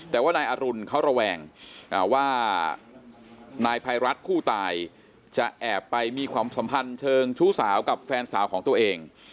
แต่ว่านายอรุณเขาระแวงว่านายภัยรัฐผู้ตายจะแอบไปมีความสัมพันธ์เชิงชู้สาวกับแฟนสาวของตัวเอง